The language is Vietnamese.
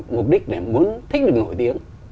mục đích để muốn thích được nổi tiếng